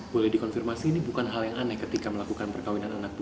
boleh dikonfirmasi ini bukan hal yang aneh ketika melakukan perkawinan anak bu